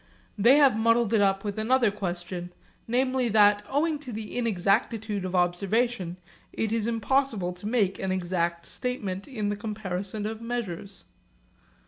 They have muddled it up with another question, namely that owing to the inexactitude of observation it is impossible to make an exact statement in the comparison of measures.